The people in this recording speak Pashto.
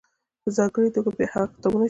.په ځانګړې توګه بيا هغه کتابونه چې